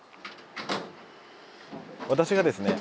私がですね